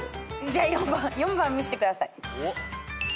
じゃあ４番見してください。